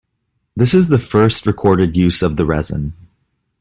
This is the first recorded use of the resin.